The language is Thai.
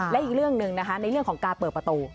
และอีกเรื่องหนึ่งนะคะในเรื่องของการเปิดประตู